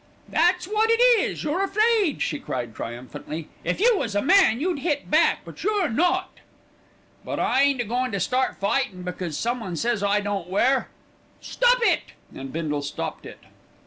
"That's what it is, you're afraid," she cried, triumphantly. "If you was a man you'd hit back; but you're not." "But I ain't a goin' to start fightin' because some one says I don't wear " "Stop it!" And Bindle stopped it.